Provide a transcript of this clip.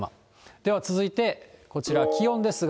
では続いて、こちら、気温ですが。